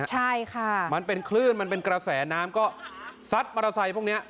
ใช่ค่ะมันเป็นคลื่นมันเป็นกระแสน้ำก็ซัดมอเตอร์ไซค์พวกนี้